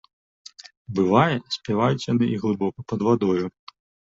Бывае, спяваюць яны і глыбока пад вадою.